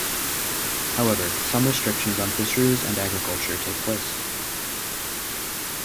However, some restrictions on fisheries and agriculture take place.